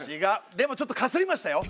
でもちょっとかすりましたよ。